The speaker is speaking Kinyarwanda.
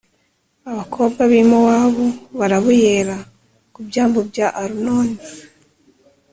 Abakobwa b’i Mowabu barabuyera ku byambu bya Arunoni,